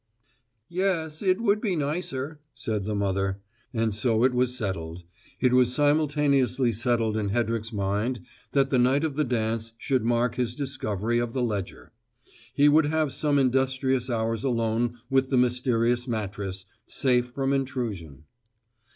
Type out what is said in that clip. "Yes, it would be nicer," said the mother. And so it was settled. It was simultaneously settled in Hedrick's mind that the night of the dance should mark his discovery of the ledger. He would have some industrious hours alone with the mysterious mattress, safe from intrusion.